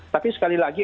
tapi sekali lagi